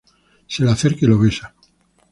Se le acerca y lo besa.